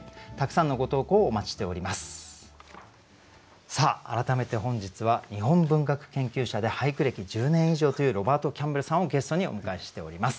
さあ改めて本日は日本文学研究者で俳句歴１０年以上というロバート・キャンベルさんをゲストにお迎えしております。